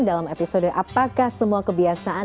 dalam episode apakah semua kebiasaan